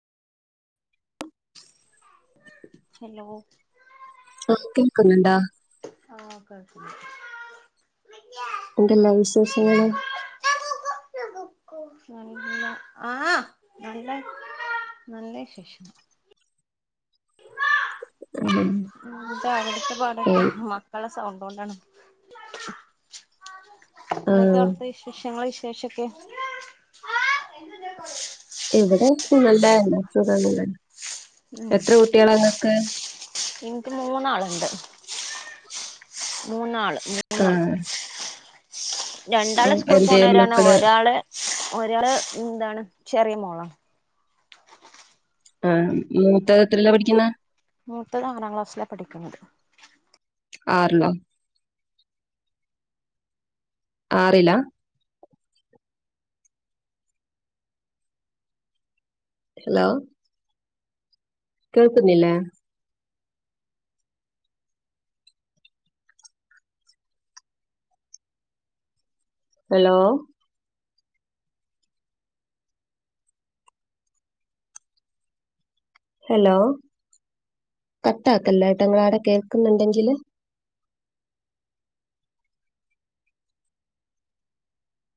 Hello [unintelligible] ണ്ടാ ആഹ് കേക്ക്ണ്ട് എന്തെല്ലാ വിശേഷങ്ങള്? നല്ല നല്ല നല്ല വിശേഷ [unintelligible] അതെ [unintelligible] എന്താ അവ്ട്ത്തെ പാടൊക്കെ? മക്കളെ സൗണ്ടോണ്ടാണ്. എന്തൊക്കെ ആഹ് അവ്ട്ത്തെ വിശേഷങ്ങള് വിശേഷൊക്കെ? ഇവിടെ നല്ല എന്നെ സുഖം തന്നെ ഉം ഇൻക്ക് മൂന്നാള്ണ്ട് മൂന്നാള് മൂന്നാള് ആഹ് രണ്ടാള് ഉം സ്കൂൾ എന്തേ പോണോരാണ് മക്കള് ഒരാള് ഒരാള് എന്താണ് ചെറിയ മോളാ ആ മൂത്തത് എത്രേല്ല പഠിക്കുന്നെ? മൂത്തത് ആറാം ക്ലാസ്സില പഠിക്കുന്നത് ആർല്ലോ ആറിലാ ഹലോ കേൾക്കുന്നില്ലെ ഹലോ ഹലോ കട്ടാക്കല്ലേട്ടോ ങ്ങളാവിടെ കേൾക്കുന്നുണ്ടെങ്കില്